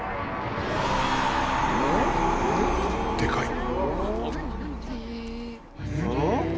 でかい。